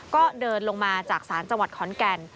ก็เดินลงมาจากศาลจังหวัดขอนแก่น